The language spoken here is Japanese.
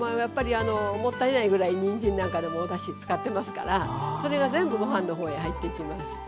やっぱりもったいないぐらいにんじんなんかでもおだし使ってますからそれが全部ご飯の方へ入っていきます。